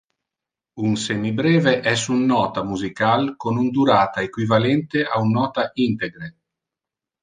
Un semibreve es un nota musical con un durata equivalente a un nota integre.